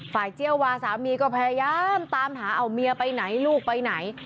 เจี้ยวาสามีก็พยายามตามหาเอาเมียไปไหนลูกไปไหน